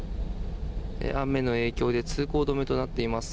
雨の影響で通行止めとなっています。